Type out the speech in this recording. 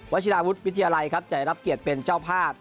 ชิลาวุฒิวิทยาลัยครับจะรับเกียรติเป็นเจ้าภาพ